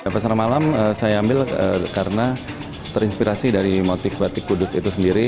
pasar malam saya ambil karena terinspirasi dari motif batik kudus itu sendiri